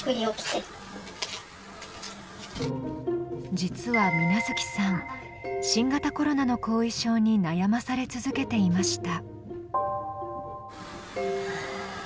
実は水無月さん、新型コロナの後遺症に悩まされ続けていました。